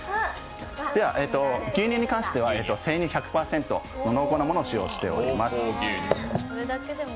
牛乳に関しては生乳１００％濃厚な物を使用しております。